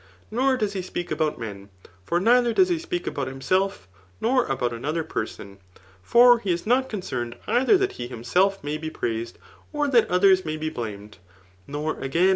Nor does he speak abouit men ; for net* dmr does he speak d>out himself nor about anodier pei^ aaoL For he is not concerned, either that he lun^etf flsay he jMnsisd, or that others may be bhmed. Nor agam^.